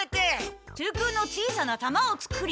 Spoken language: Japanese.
中空の小さな球を作り。